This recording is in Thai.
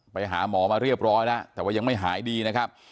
ไปหาหมอมาเรียบร้อยแล้วแต่ว่ายังไม่หายดีนะครับ